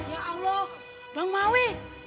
ya allah bang maui